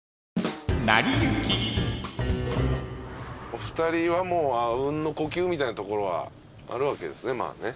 お二人はもうあうんの呼吸みたいなところはあるわけですねまあね。